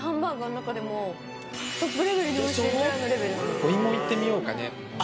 お芋行ってみようかね。